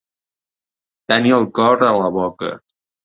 Tenir el cor a la boca.